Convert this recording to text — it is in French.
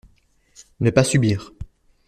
Ne pas subir